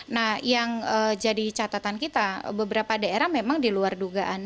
nah yang jadi catatan kita beberapa daerah memang diluar dugaan